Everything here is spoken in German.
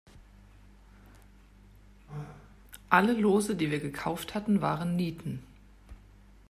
Alle Lose, die wir gekauft hatten, waren Nieten.